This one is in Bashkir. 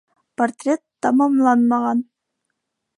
Портрет тамамланмаған.